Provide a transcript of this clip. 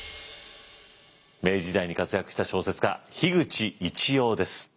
明治時代に活躍した小説家口一葉です。